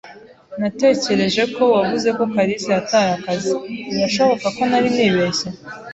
"Natekereje ko wavuze ko kalisa yataye akazi." "Birashoboka ko nari nibeshye."